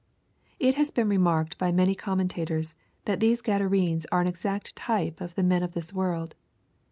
"] It has been remarked If many commentators, that these Gadarenes are an exact type of the men of this world.